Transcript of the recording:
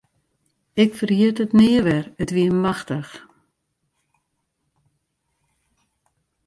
Ik ferjit it nea wer, it wie machtich.